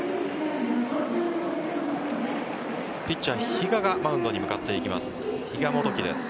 ピッチャー・比嘉がマウンドに向かっていきます。